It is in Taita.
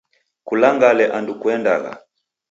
Kulangale andu kuendagha.